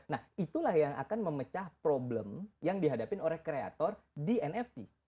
nah itulah yang akan memecah problem yang dihadapi oleh kreator di nft